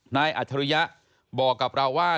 อัจฉริยะบอกกับเราว่า